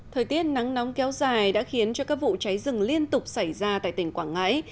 thời tiết nắng nóng kéo dài đã khiến cho các vụ cháy rừng liên tục xảy ra tại tỉnh quảng ngãi